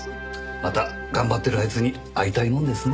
また頑張ってるあいつに会いたいもんですね。